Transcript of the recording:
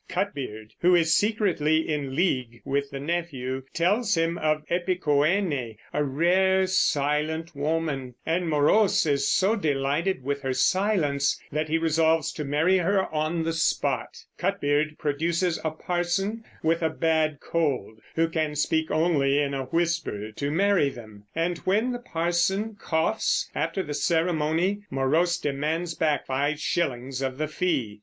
Cutbeard (who is secretly in league with the nephew) tells him of Epicoene, a rare, silent woman, and Morose is so delighted with her silence that he resolves to marry her on the spot. Cutbeard produces a parson with a bad cold, who can speak only in a whisper, to marry them; and when the parson coughs after the ceremony Morose demands back five shillings of the fee.